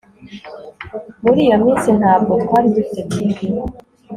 Muri iyo minsi ntabwo twari dufite TV